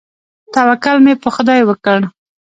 توکل مې پر خداى وکړ.